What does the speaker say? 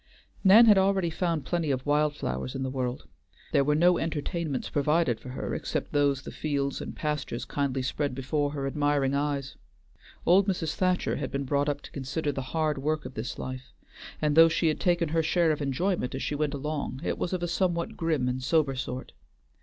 Nan had already found plenty of wild flowers in the world; there were no entertainments provided for her except those the fields and pastures kindly spread before her admiring eyes. Old Mrs. Thacher had been brought up to consider the hard work of this life, and though she had taken her share of enjoyment as she went along, it was of a somewhat grim and sober sort.